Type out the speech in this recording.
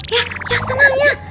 ya ya tenang ya